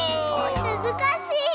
むずかしい！